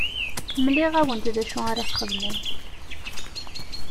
Mliɣ-awent d acu ara txedmemt.